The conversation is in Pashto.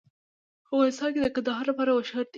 افغانستان د کندهار لپاره مشهور دی.